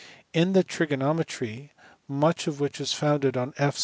In the trigonometry, much of which is founded on F.